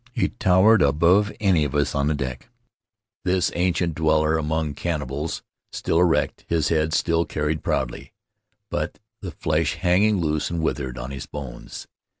He towered above any of us on the deck — this ancient dweller among cannibals — still erect, his head still carried proudly, but the flesh hanging loose and withered on his bones.